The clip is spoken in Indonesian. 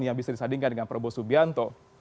yang bisa disandingkan dengan prabowo subianto